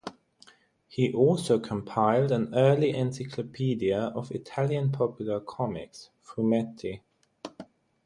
He also compiled an early Encyclopaedia of Italian popular comics (""fumetti"").